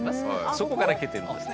そこからきてるんですね。